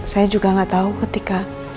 saya juga gak tau ketika